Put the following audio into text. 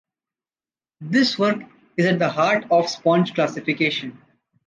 This work is at the heart of sponge classification.